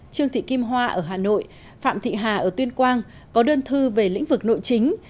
trương thị kim hoa ở hà nội phạm thị hà ở tuyên quang có đơn thư về lĩnh vực nội chính